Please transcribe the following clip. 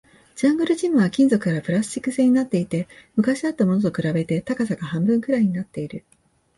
ジャングルジムは金属からプラスチック製になっていて、昔あったものと比べて高さが半分くらいになっている